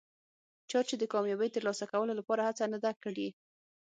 چا چې د کامیابۍ ترلاسه کولو لپاره هڅه نه ده کړي.